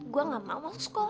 gue gak mau masuk sekolah